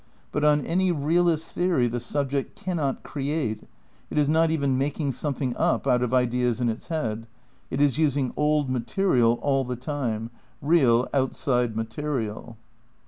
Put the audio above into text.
But on any realist theory the subject cannot create; it is not even making something "up" out of ideas in its head; it is using old material all the time, real outside material.